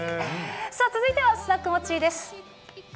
さあ、続いてはスナックモッチーです。